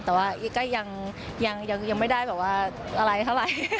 แต่ว่าอีก็ยังไม่ได้แบบว่าอะไรเท่าไหร่